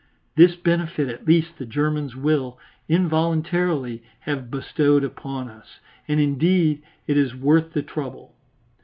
This benefit at least the Germans will, involuntarily, have bestowed upon us, and indeed it is worth the trouble.